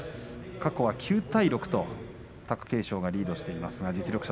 過去は９対６と貴景勝がリードしていますが実力者